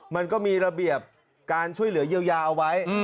มันก็มีระเบียบการช่วยเหลือเยียวยาเอาไว้